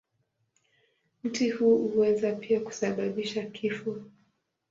Mti huu huweza pia kusababisha kifo.